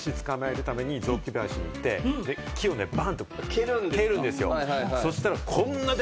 カブトムシを捕まえるために雑木林に行って、木をバン！と蹴るんですよ。